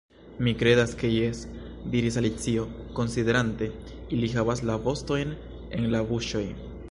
"Mi kredas ke jes," diris Alicio, konsiderante. "Ili havas la vostojn en la buŝoj. »